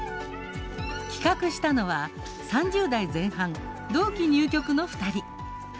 企画したのは３０代前半同期入局の２人。